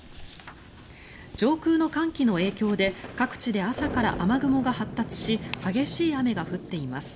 上空の寒気の影響で各地で朝から雨雲が発達し激しい雨が降っています。